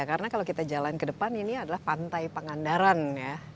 karena kalau kita jalan ke depan ini adalah pantai pengandaran ya